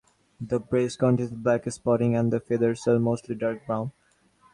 The breast contains black spotting and the feathers are mostly dark brown.